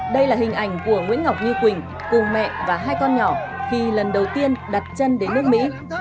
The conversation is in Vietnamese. đây là hình ảnh của nguyễn ngọc như quỳnh cùng mẹ và hai con nhỏ khi lần đầu tiên đặt chân đến nước mỹ